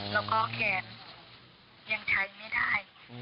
แล้วก็แขนยังใช้ไม่ได้